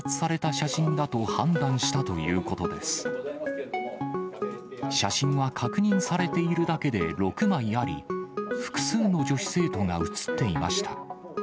写真は確認されているだけで６枚あり、複数の女子生徒が写っていました。